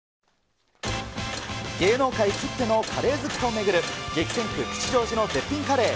芸能界きってのカレー好きと巡る、激戦区、吉祥寺の絶品カレー。